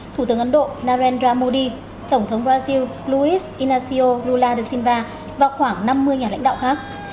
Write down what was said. thủ tướng ấn độ narendra modi tổng thống brazil luis inacio lula de silva và khoảng năm mươi nhà lãnh đạo khác